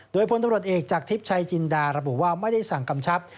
โดยพลตำรวจเอกจากทิพย์ชัยจินดาระบุว่าไม่ได้สั่งกำชับ